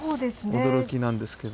驚きなんですけど。